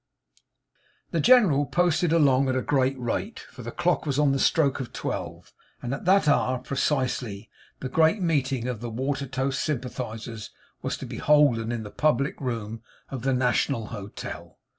The General posted along at a great rate, for the clock was on the stroke of twelve; and at that hour precisely, the Great Meeting of the Watertoast Sympathisers was to be holden in the public room of the National Hotel.